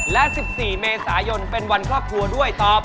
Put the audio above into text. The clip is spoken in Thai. และ๑๔เมษายนเป็นวันครอบครัวด้วยตอบ